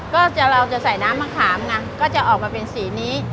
ก็เราจะใส่น้ำมะขามไงก็จะออกมาเป็นสีนี้